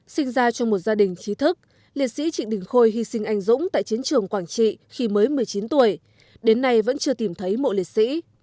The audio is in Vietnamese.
sinh ra trong một gia đình trí thức liệt sĩ trịnh đình khôi hy sinh anh dũng tại chiến trường quảng trị khi mới một mươi chín tuổi đến nay vẫn chưa tìm thấy mộ liệt sĩ